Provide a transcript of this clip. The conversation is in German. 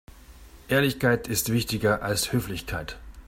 Ehrlichkeit ist wichtiger als Höflichkeit.